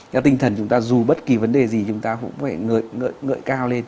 theo tinh thần chúng ta dù bất kỳ vấn đề gì chúng ta cũng phải ngợi cao lên